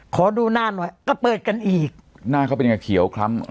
ขอดูหน้าหน่อยก็เปิดกันอีกหน้าเขาเป็นยังไงเขียวคล้ำ